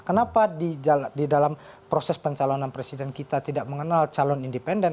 kenapa di dalam proses pencalonan presiden kita tidak mengenal calon independen